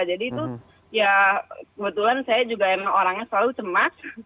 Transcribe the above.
jadi itu ya kebetulan saya juga emang orangnya selalu cemas